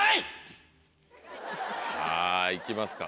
さぁ行きますか。